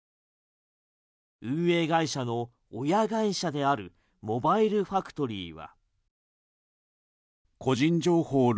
運営会社の親会社であるモバイルファクトリーは。